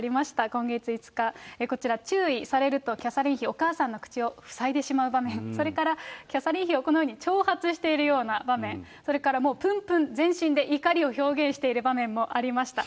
今月５日、こちら注意されると、キャサリン妃、お母さんの口を塞いでしまう場面、それからキャサリン妃をこのように挑発しているような場面、それからもう、ぷんぷん、全身で怒りを表現している場面もありました。